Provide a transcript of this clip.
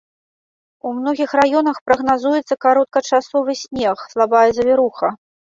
У многіх раёнах прагназуецца кароткачасовы снег, слабая завіруха.